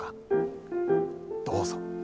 どうぞ。